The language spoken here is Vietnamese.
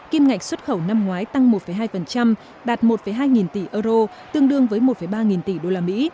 kim ngạch xuất khẩu năm ngoái tăng một hai đạt một hai nghìn tỷ euro tương đương với một ba nghìn tỷ usd